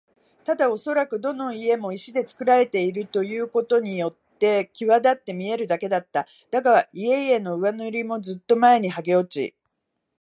ただおそらくどの家も石でつくられているということによってきわだって見えるだけだった。だが、家々の上塗りもずっと前にはげ落ち、